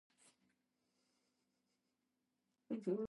Square earthworks surrounded the keep but only traces of them remain.